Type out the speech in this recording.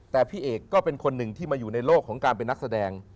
แต่พี่เอกก็เป็นคนหนึ่งที่มาอยู่ในโลกของการเป็นนักแสดง